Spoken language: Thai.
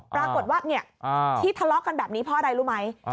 ปรากฏว่าที่ทะเลาะกันแบบนี้เพราะอะไรรู้ไหม